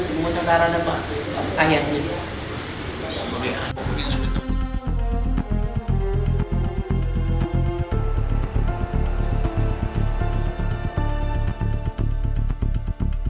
ibu saudara dapat ayatnya